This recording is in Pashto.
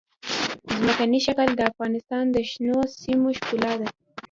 ځمکنی شکل د افغانستان د شنو سیمو ښکلا ده.